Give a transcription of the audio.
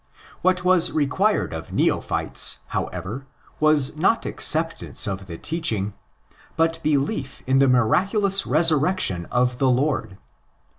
What was required of neophytes, however, was not acceptance of the teaching, but belief in the miraculous resurrection of '"'the Lord.